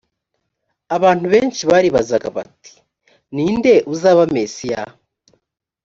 abantu benshi baribazaga bati ni nde uzaba mesiya